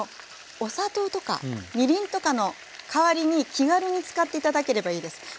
お砂糖とかみりんとかのかわりに気軽に使って頂ければいいです。